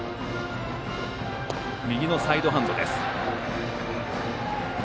右のサイドハンドです。